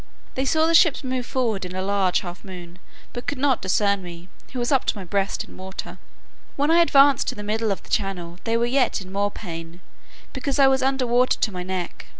They saw the ships move forward in a large half moon, but could not discern me, who was up to my breast in water. When I advanced to the middle of the channel, they were yet more in pain, because I was under water to my neck.